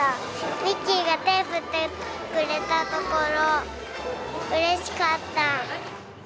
ミッキーが手振ってくれたところ、うれしかった。